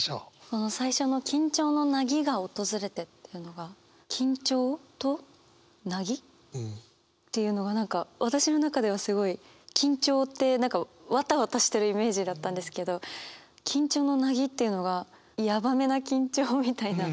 この最初の「緊張の凪が訪れて」っていうのが「緊張」と「凪」っていうのが何か私の中ではすごい緊張ってわたわたしてるイメージだったんですけど「緊張の凪」っていうのがやばめな緊張みたいな。